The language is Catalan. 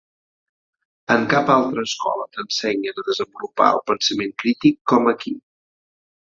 En cap altra escola t'ensenyen a desenvolupar el pensament crític com aquí.